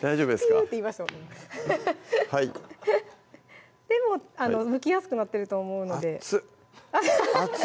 ピューっていいましたもんねでもうむきやすくなってると思うのであっつ！